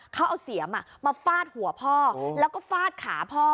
เขาเอาเสียมมาฟาดหัวพ่อแล้วก็ฟาดขาพ่อ